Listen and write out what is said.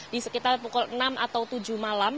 di sekitar pukul enam atau tujuh malam